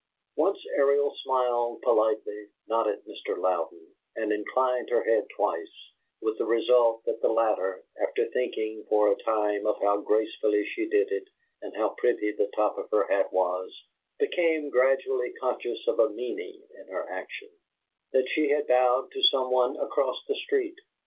Once Ariel smiled politely, not at Mr. Louden, and inclined her head twice, with the result that the latter, after thinking for a time of how gracefully she did it and how pretty the top of her hat was, became gradually conscious of a meaning in her action: that she had bowed to some one across the street.